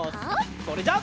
それじゃあ。